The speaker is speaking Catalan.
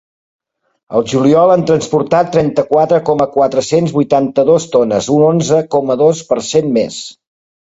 Al juliol han transportat trenta-quatre coma quatre-cents vuitanta-dos tones, un cent onze coma dos per cent més.